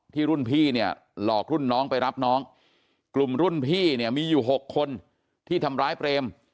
รุ่นพี่เนี่ยหลอกรุ่นน้องไปรับน้องกลุ่มรุ่นพี่เนี่ยมีอยู่๖คนที่ทำร้ายเปรม